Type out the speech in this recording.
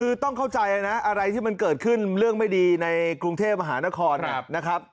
คือต้องเข้าใจนะอะไรที่มันเกิดขึ้นเรื่องไม่ดีในกรุงเทพมหานครนะครับ